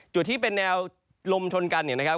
จุดที่เป็นแนวลมชนกันเนี่ยนะครับ